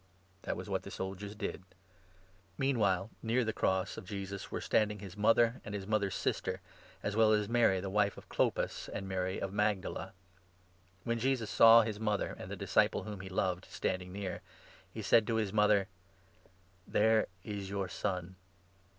That was what the soldiers did. Meanwhile near the cross 25 of Jesus were standing his mother and his mother's sister, as well as Mary the wife of Clopas and Mary of Magdala. When Jesus saw his mother, and the disciple whom he loved, 26 standing near, he said to his mother : "There is your son."